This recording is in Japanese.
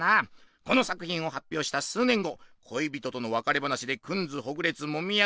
この作品を発表した数年後恋人との別れ話でくんずほぐれつもみ合ううちにズドーン！